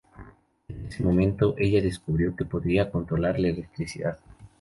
En ese momento, ella descubrió que podía controlar la electricidad.